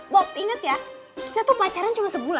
bob inget ya saya tuh pacaran cuma sebulan